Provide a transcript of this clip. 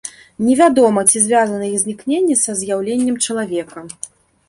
Не вядома, ці звязана іх знікненне са з'яўленнем чалавека.